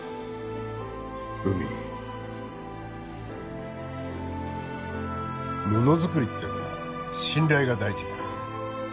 海ものづくりってのは信頼が大事だ